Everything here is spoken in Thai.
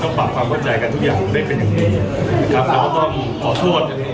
ต้องปรับความเข้าใจกันทุกอย่างเป็นแบบนี้นะครับเขาก็ต้องขอโทษ